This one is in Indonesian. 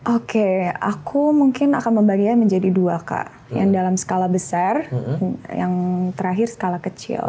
oke aku mungkin akan membaginya menjadi dua kak yang dalam skala besar yang terakhir skala kecil